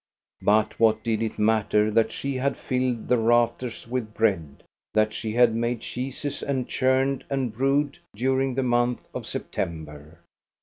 But what did it matter that she had filled the rafters with bread, that she had made cheeses and churned and brewed during the month of September?